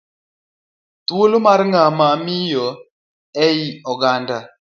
Thuolo mar ng'ama miyo e i oganda